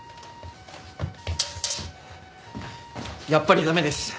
やっぱり駄目です。